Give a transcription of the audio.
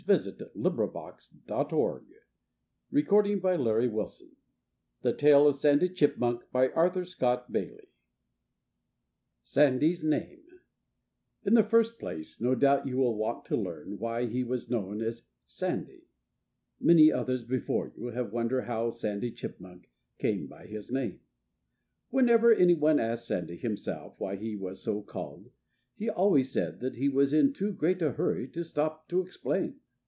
SAID SANDY CHIPMUNK FARMER GREEN'S CAT LEAPED OUT OF THE DOORWAY THE TALE OF SANDY CHIPMUNK I SANDY'S NAME In the first place, no doubt you will want to learn why he was known as Sandy. Many others, before you, have wondered how Sandy Chipmunk came by his name. Whenever any one asked Sandy himself why he was so called, he always said that he was in too great a hurry to stop to explain.